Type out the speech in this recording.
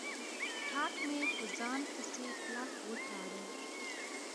ټاټ مې په ځان پسې کلک و تاړه.